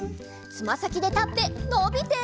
つまさきでたってのびて！